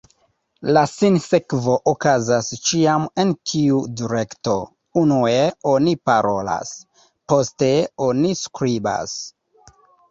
La sinsekvo okazas ĉiam en tiu direkto: unue oni parolas, poste oni skribas.